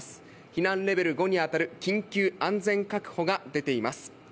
避難レベル５に当たる緊急安全確保が出ています。